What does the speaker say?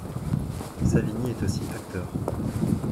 Savini est aussi acteur.